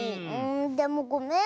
でもごめん。